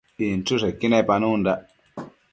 inchËshequi nepanundac